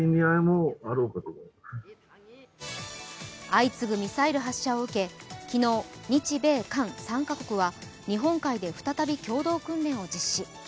相次ぐミサイル発射を受け、昨日、日米韓３か国は日本海で再び共同訓練を実施。